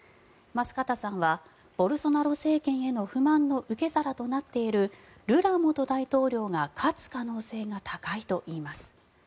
舛方さんは、ボルソナロ政権への不満の受け皿となっているルラ元大統領が勝つ可能性が高いといいます。